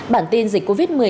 bản tin dịch covid một mươi chín